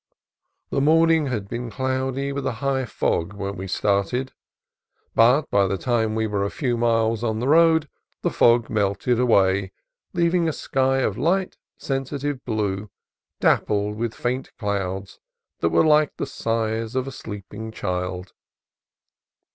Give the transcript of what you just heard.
The morning had been cloudy, with a high fog, when we started, but by the time we were a few miles on the road the fog melted away, leaving a sky of light, sensitive blue, dappled with faint clouds that were like the sighs of a sleeping child.